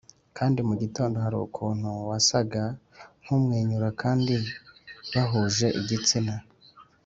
kandi mugitondo hari ukuntu wasaga nkumwenyura kandi bahuje igitsina